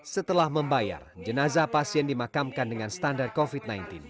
setelah membayar jenazah pasien dimakamkan dengan standar covid sembilan belas